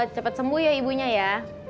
cepat sembuh ya ibunya ya